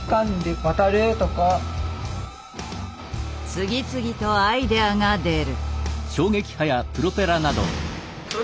次々とアイデアが出る。